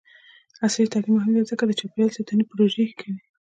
عصري تعلیم مهم دی ځکه چې د چاپیریال ساتنې پروژې کوي.